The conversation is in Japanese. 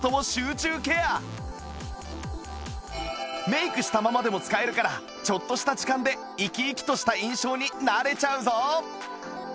メイクしたままでも使えるからちょっとした時間で生き生きとした印象になれちゃうぞ！